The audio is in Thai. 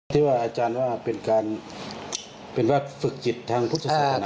ที่ว่าอาจารย์ว่าเป็นการเป็นว่าฝึกจิตทางพุทธศักดิ์ศาสตร์ขนาดนี้